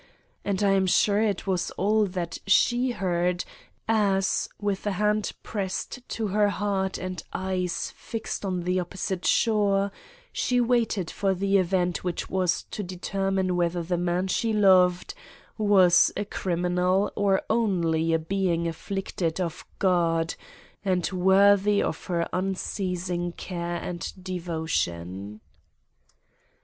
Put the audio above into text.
And I am sure it was all that she heard, as, with hand pressed to her heart and eyes fixed on the opposite shore, she waited for the event which was to determine whether the man she loved was a criminal or only a being afflicted of God, and worthy of her unceasing care and devotion.